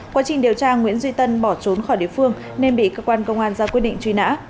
quá trình điều tra nguyễn duy tân bỏ trốn khỏi địa phương nên bị cơ quan công an ra quyết định truy nã